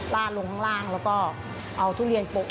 ลาดลงข้างล่างแล้วก็เอาทุเรียนปก